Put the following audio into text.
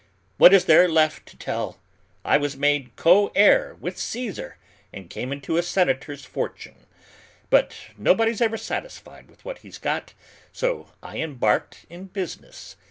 What is there left to tell? I was made co heir with Caesar and came into a Senator's fortune. But nobody's ever satisfied with what he's got, so I embarked in business.